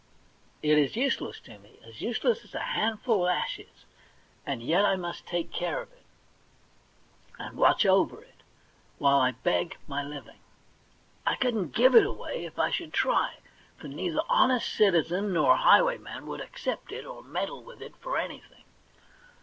It is useless to me, as useless as a handful of ashes, and yet I must take care of it, and watch over it, while I beg my living. I couldn't give it away, if I should try, for neither honest citizen nor highwayman would accept it or meddle with it for anything.